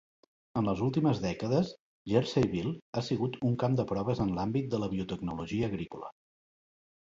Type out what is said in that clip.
En les últimes dècades, Jerseyville ha sigut un camp de proves en l'àmbit de la biotecnologia agrícola.